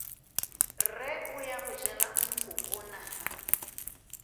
Rre o ya go jela nkoko nala.